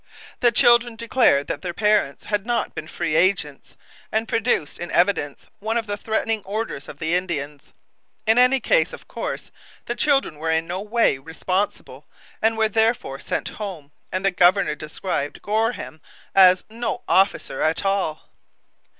The children declared that their parents had not been free agents, and produced in evidence one of the threatening orders of the Indians. In any case, of course, the children were in no way responsible, and were therefore sent home; and the governor described Goreham as 'no officer at all.'